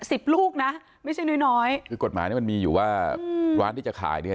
สิบลูกนะไม่ใช่น้อยน้อยคือกฎหมายเนี้ยมันมีอยู่ว่าร้านที่จะขายเนี้ย